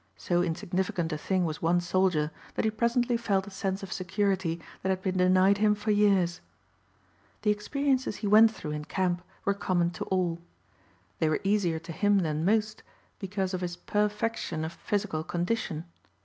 So insignificant a thing was one soldier that he presently felt a sense of security that had been denied him for years. The experiences he went through in Camp were common to all. They were easier to him than most because of his perfection of physical condition.